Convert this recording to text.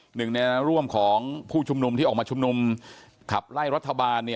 หนึ่งในร่วมของผู้ชุมนุมที่ออกมาชุมนุมขับไล่รัฐบาล